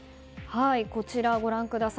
こちらをご覧ください。